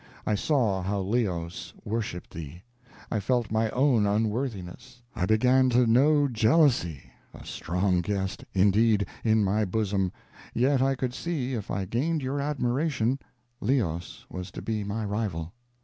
I saw how Leos worshiped thee. I felt my own unworthiness. I began to know jealously, a strong guest indeed, in my bosom, yet I could see if I gained your admiration Leos was to be my rival.